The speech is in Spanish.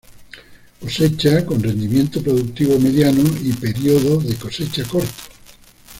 Cosecha con rendimiento productivo mediano, y periodo de cosecha corto.